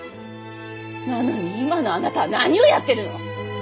なのに今のあなたは何をやってるの？